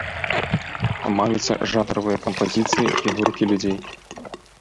Маюцца жанравыя кампазіцыі, фігуркі людзей.